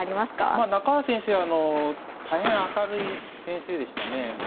まあ中原先生はあの大変明るい先生でしたね。